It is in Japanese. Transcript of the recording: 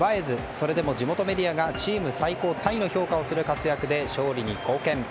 それでも地元メディアがチーム最高タイの評価をする活躍で勝利に貢献。